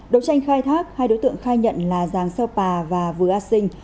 đấu tranh khai thác hai đối tượng khai nhận là giàng xeo pà và vừa a sinh